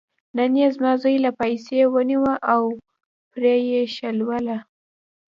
نن یې زما زوی له پایڅې ونیوه او پرې یې شلوله.